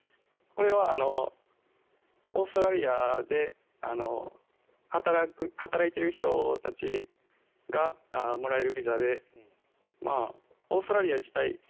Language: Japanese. これはオーストラリアで働いている人たちがもらえるビザでオーストラリア自体